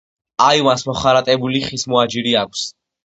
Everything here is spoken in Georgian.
აივანს მოხარატებული, ხის მოაჯირი აქვს.